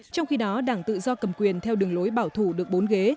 trong khi đó đảng tự do cầm quyền theo đường lối bảo thủ được bốn ghế